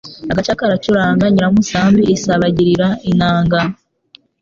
Agaca karacuranga Nyiramusambi isabagirira inanga